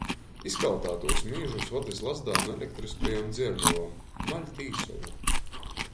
Izkaltātūs mīžus vad iz Lazdānu elektryskajom dziernovom — maļt īsolu.